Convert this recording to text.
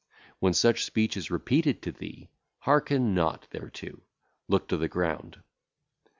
When such speech is repeated to thee, hearken not thereto, look to the ground.